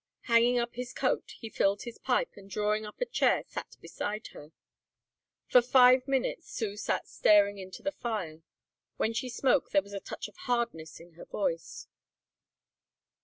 Hanging up his coat he filled his pipe and drawing up a chair sat beside her. For five minutes Sue sat staring into the fire. When she spoke there was a touch of hardness in her voice.